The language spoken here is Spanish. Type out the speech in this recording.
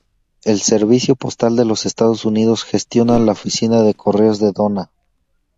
El Servicio Postal de los Estados Unidos gestiona la Oficina de Correos de Donna.